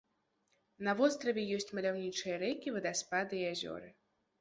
На востраве ёсць маляўнічыя рэкі, вадаспады і азёры.